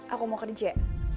aku mau kerja